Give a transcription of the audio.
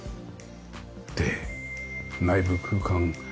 で内部空間。